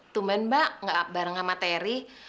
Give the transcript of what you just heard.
tumpah mbak nggak bareng sama teri